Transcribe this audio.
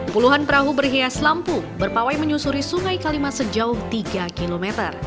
puluhan perahu berhias lampu berpawai menyusuri sungai kalimas sejauh tiga km